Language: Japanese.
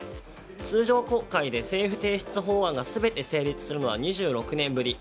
通常国会で政府提出法案が全て成立するのは、２６年ぶり。